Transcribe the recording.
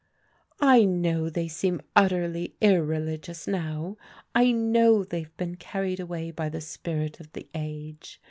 " I know they seem utterly irreligious now, I know they've been carried away by the spirit of the age.